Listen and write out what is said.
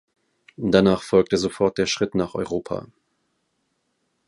Danach folgte sofort der Schritt nach Europa.